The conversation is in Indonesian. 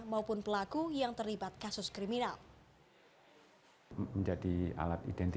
maupun pelaku yang terlibat kasus kriminal